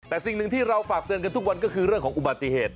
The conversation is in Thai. แต่สิ่งหนึ่งที่เราฝากเตือนกันทุกวันก็คือเรื่องของอุบัติเหตุ